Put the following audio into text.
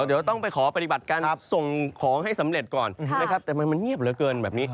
เดี๋ยวต้องไปขอปฏิบัติการส่งของให้สำเร็จก่อนนะครับแต่มันเงียบเหลือเกินแบบนี้